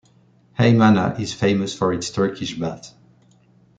Haymana is famous for its Turkish baths.